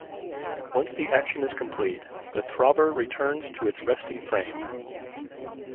Once the action is complete, the throbber returns to its resting frame.